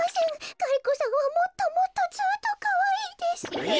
ガリ子さんはもっともっとずっとかわいいです。え！